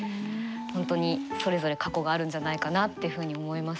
本当にそれぞれ過去があるんじゃないかなってふうに思いますよね。